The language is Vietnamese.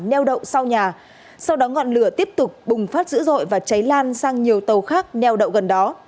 neo đậu sau nhà sau đó ngọn lửa tiếp tục bùng phát dữ dội và cháy lan sang nhiều tàu khác neo đậu gần đó